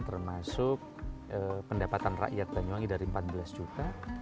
termasuk pendapatan rakyat banyuwangi dari empat belas juta naik lima puluh tiga juta